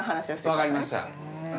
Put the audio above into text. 分かりました。